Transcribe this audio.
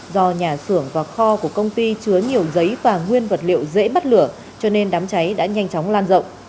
do nhà xưởng và kho của công ty chứa nhiều giấy và nguyên vật liệu dễ bắt lửa cho nên đám cháy đã nhanh chóng lan rộng